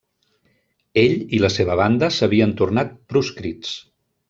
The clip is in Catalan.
Ell i la seva banda s'havien tornat proscrits.